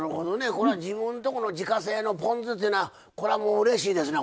これは自分とこの自家製のポン酢っていうのはこれはもううれしいですね